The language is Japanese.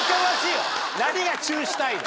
何がチュしたいだ。